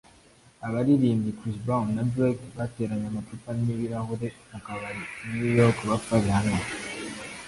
Abaririmbyi Chris Brown na Drake bateranye amacupa n’ibirahure mu kabari i New York bapfa Rihana